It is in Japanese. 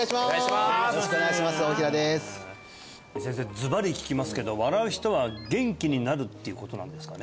ずばり聞きますけど笑う人は元気になるっていうことなんですかね？